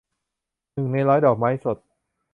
หนึ่งในร้อย - ดอกไม้สด